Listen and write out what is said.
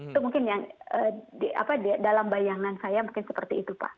itu mungkin yang dalam bayangan saya mungkin seperti itu pak